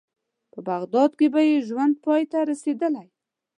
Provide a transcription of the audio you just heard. په بغداد کې به یې ژوند پای ته رسېدلی.